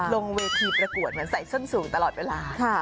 ลงเวทีประกวดเหมือนใส่ส้นสูงตลอดเวลา